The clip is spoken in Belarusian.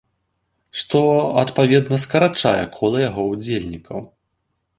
Што, адпаведна, скарачае кола яго ўдзельнікаў.